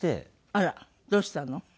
あらどうしたの？